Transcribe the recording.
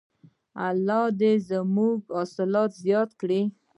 الله دې زموږ حاصلات زیات کړي.